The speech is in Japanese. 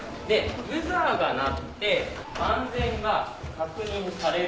ブザーが鳴って安全が確認される。